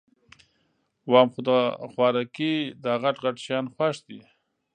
وام خو د خوارکي داغټ غټ شیان خوښ دي